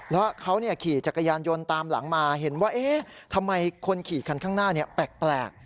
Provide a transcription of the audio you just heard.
แล้วเขาขี่จักรยานยนต์ตามหลังมาเห็นว่าเอ๊ะทำไมคนขี่คันข้างหน้าแปลก